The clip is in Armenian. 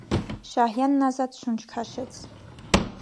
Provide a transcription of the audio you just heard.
Շահյանն ազատ շունչ քաշեց.